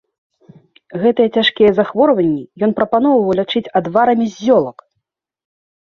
Гэтыя цяжкія захворванні ён прапаноўваў лячыць адварамі з зёлак.